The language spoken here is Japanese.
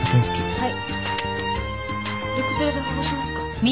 はい。